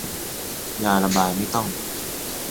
ยาระบายไม่ต้อง